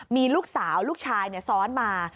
มีลูกสาวลูกชายซ้อนมา